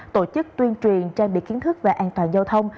tổ chức tuyên truyền trang bị kiến thức về an toàn giao thông